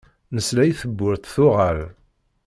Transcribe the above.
Nesla i tewwurt tuɣal.